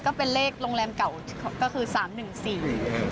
ก็เป็นเลขโรงแรมเก่าก็คือสามหนึ่งสี่